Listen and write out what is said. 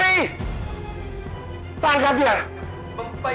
kau bisa diam tidak